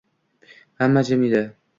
Hamma jim edi.